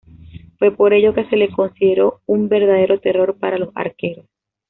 Fue por ello que se le consideró un verdadero terror para los arqueros.